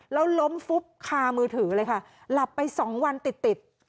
แล้วล้มฟุบคามือถือเลยค่ะหลับไป๒วันติดติด